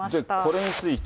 これについて。